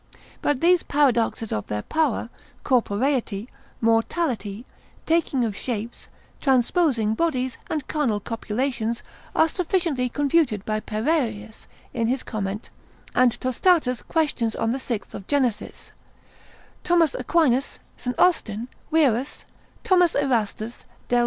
But these paradoxes of their power, corporeity, mortality, taking of shapes, transposing bodies, and carnal copulations, are sufficiently confuted by Zanch. c. 10, l. 4. Pererius in his comment, and Tostatus questions on the 6th of Gen. Th. Aquin., St. Austin, Wierus, Th. Erastus, Delrio, tom. 2, l.